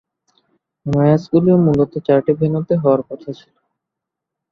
ম্যাচগুলি মূলত চারটি ভেন্যুতে হওয়ার কথা ছিল।